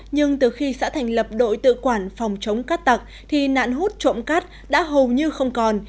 nhưng từ khi xã thành lập đội tự quản phòng chống cát tặc thì nạn hút trộm cát đã hầu như không còn